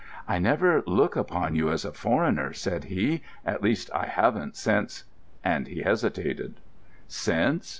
"I never look upon you as a foreigner," said he; "at least, I haven't since——" and he hesitated. "Since?"